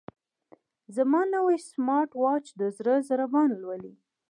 زما نوی سمارټ واچ د زړه ضربان لولي.